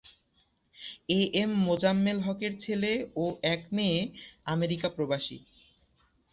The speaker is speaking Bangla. এএম মোজাম্মেল হকের ছেলে ও এক মেয়ে আমেরিকা প্রবাসী।